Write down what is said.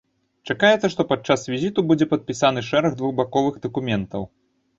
Чакаецца, што падчас візіту будзе падпісаны шэраг двухбаковых дакументаў.